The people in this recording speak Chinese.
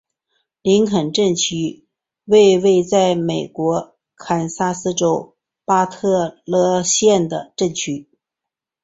林肯镇区为位在美国堪萨斯州巴特勒县的镇区。